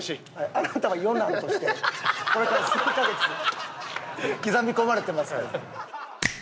あなたは余男としてこれから数カ月。刻み込まれてますから。